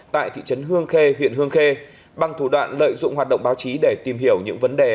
tại thị trấn hương khê huyện hương khê bằng thủ đoạn lợi dụng hoạt động báo chí để tìm hiểu những vấn đề